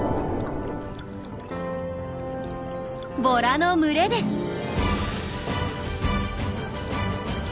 ボラの群れです。